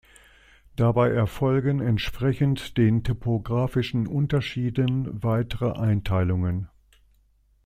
Dabei erfolgen entsprechend den topographischen Unterschieden weitere Einteilungen.